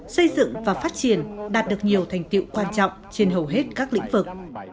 xây dựng và phát triển đạt được nhiều thành tiệu quan trọng trên hầu hết các lĩnh vực